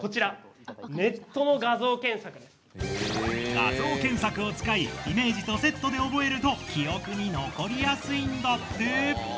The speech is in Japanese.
画像検索を使いイメージとセットで覚えると記憶に残りやすいんだって。